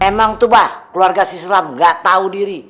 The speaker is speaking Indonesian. emang tuh mbak keluarga sisulam gak tau diri